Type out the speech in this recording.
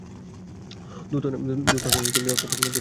দূত হত্যায় তিনি অত্যন্ত মর্মাহত হন।